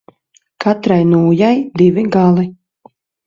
Katrai nūjai divi gali.